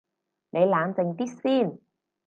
你冷靜啲先